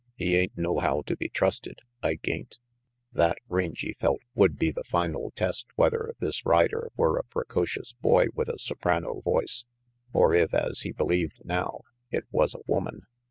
He ain't nohow to be trusted, Ike ain't." That, Rangy felt, would be the final test whether this rider were a precocious boy with a soprano voice, or if, as he believed now, it was a woman.